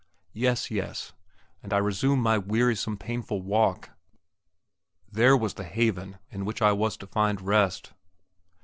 Yes, yes; and I resume my wearisome, painful walk. There was the haven in which I was to find rest.